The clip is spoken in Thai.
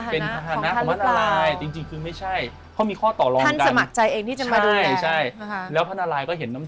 เป็นพาหนะของท่านหรือเปล่า